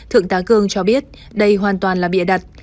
thượng tá cương cho biết đây hoàn toàn là bịa đặt